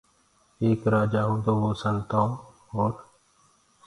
ايڪ رآجآ هونٚدو وو سنتآئوٚنٚ اورَ